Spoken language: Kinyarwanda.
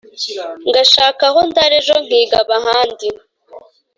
Ngashaka aho ndaraEjo nkigaba ahandi,